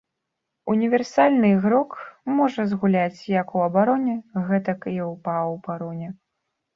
Універсальны ігрок, можа згуляць як у абароне, гэтак і ў паўабароне.